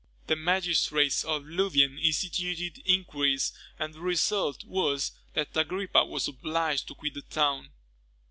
The magistrates of Louvain instituted inquiries, and the result was, that Agrippa was obliged to quit the town.